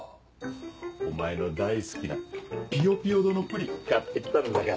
お前の大好きなピヨピヨ堂のプリン買ってきたんだから。